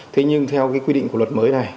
thế nhưng theo quy định của luật mới này